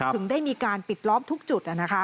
ถึงได้มีการปิดล้อมทุกจุด